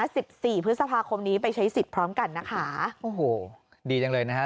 สิบสี่พฤษภาคมนี้ไปใช้สิทธิ์พร้อมกันนะคะโอ้โหดีจังเลยนะฮะ